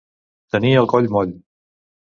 Tenir el coll moll.